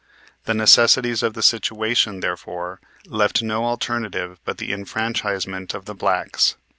The necessities of the situation, therefore, left no alternative but the enfranchisement of the blacks.